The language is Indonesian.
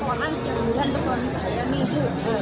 kalau saya kan bikin laporan ya bukan sorry saya nih ibu